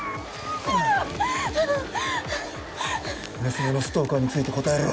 娘のストーカーについて答えろ。